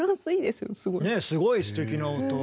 すごいすてきな音。